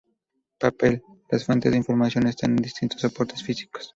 Papel: las fuentes de información están en distintos soportes físicos.